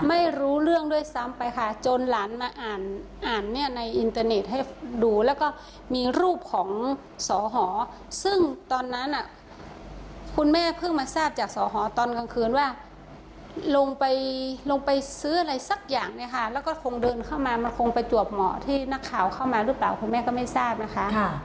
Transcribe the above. ไม่รู้เรื่องด้วยซ้ำไปค่ะจนหลานมาอ่านอ่านแม่ในอินเตอร์เน็ตให้ดูแล้วก็มีรูปของสอหอซึ่งตอนนั้นคุณแม่เพิ่งมาทราบจากสอหอตอนกลางคืนว่าลงไปลงไปซื้ออะไรสักอย่างเนี่ยค่ะแล้วก็คงเดินเข้ามามันคงประจวบหมอที่นักข่าวเข้ามาหรือเปล่าคุณแม่ก็ไม่ทราบนะคะ